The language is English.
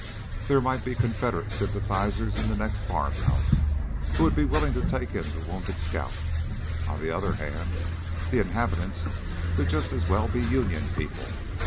There might be Confederate sympathizers in the next farmhouse who would be willing to take in the wounded scout. On the other hand, the inhabitants could just as well be Union people.